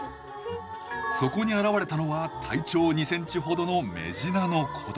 そこに現れたのは体長２ｃｍほどのメジナの子供。